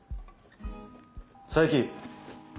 佐伯。